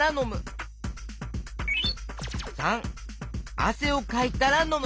③あせをかいたらのむ。